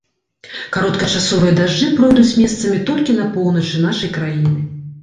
Кароткачасовыя дажджы пройдуць месцамі толькі на поўначы нашай краіны.